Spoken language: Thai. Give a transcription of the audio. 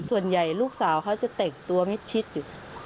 ส่วนใหญ่ลูกสาวเขาจะแต่งตัวมิดชิดอยู่